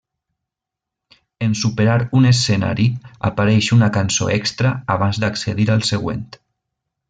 En superar un escenari apareix una cançó extra abans d'accedir al següent.